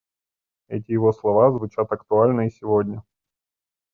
Эти его слова звучат актуально и сегодня.